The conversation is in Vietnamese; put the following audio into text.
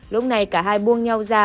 lúc này cả hai buông nhau ra